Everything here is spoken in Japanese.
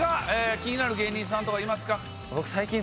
気になる芸人さんとかいますか？